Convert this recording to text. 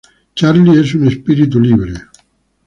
Charly es un espíritu libre.